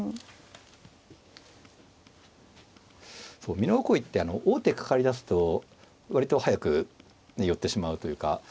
美濃囲いって王手かかりだすと割と速く寄ってしまうというか。